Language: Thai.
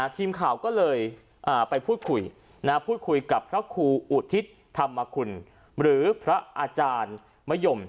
ทีมข่าวก็เลยไปพูดคุยพูดคุยกับพระครูอุทิศธรรมคุณหรือพระอาจารย์มะยม